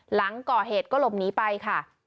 หลังก่อเหตุก็หลบหนีไปค่ะ